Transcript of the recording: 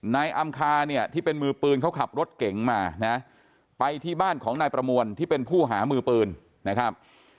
นายอำคาเนี่ยที่เป็นมือปืนเขาขับรถเก๋งมานะไปที่บ้านของนายประมวลที่เป็นผู้หามือปืนนะครับ